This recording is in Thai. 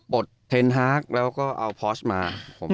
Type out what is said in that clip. ปลดเทรนด์ฮาร์กแล้วก็เอาพอสต์มา